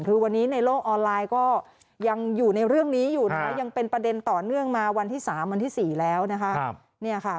คือวันนี้ในโลกออนไลน์ก็ยังอยู่ในเรื่องนี้อยู่นะคะยังเป็นประเด็นต่อเนื่องมาวันที่๓วันที่๔แล้วนะคะ